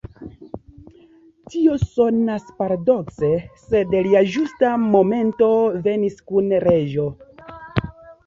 Tio sonas paradokse, sed lia ĝusta momento venis kun leĝo.